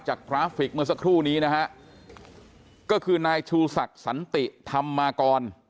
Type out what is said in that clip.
กราฟิกเมื่อสักครู่นี้นะฮะก็คือนายชูศักดิ์สันติธรรมากร